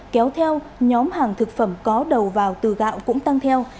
kéo theo nhóm hàng thực phẩm có đầu vào từ gạo cũng tăng theo